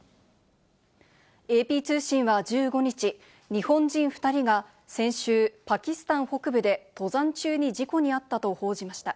ＡＰ通信は１５日、日本人２人が先週、パキスタン北部で登山中に事故に遭ったと報じました。